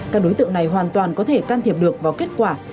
các đối tượng này hoàn toàn có thể can thiệp được vào kết quả